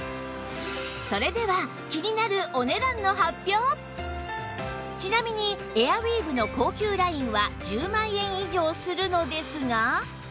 それでは気になるちなみにエアウィーヴの高級ラインは１０万円以上するのですが